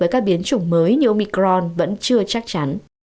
chuyển chủng mới như omicron vẫn chưa chắc chắn